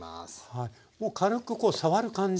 はいもう軽くこう触る感じ？